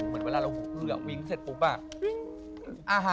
เหมือนเวลาเราเหลือวิ้งเสร็จปุ๊บอ่ะ